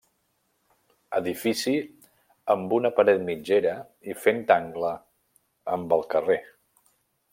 Edifici amb una paret mitgera i fent angle amb el carrer.